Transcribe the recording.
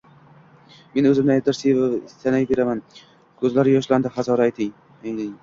men oʻzimni aybdor sanayveraman, koʻzlari yoshlandi Hazora ayaning